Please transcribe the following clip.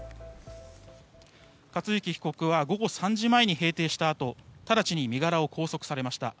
克行被告は午後３時前に閉廷したあと直ちに身柄を拘束されました。